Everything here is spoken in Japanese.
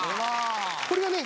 これがね